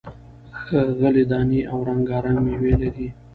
ښې غلې دانې او رنگا رنگ میوې لري،